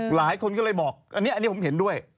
หลายคนก็เลยบอกอันนี้ผมเห็นด้วย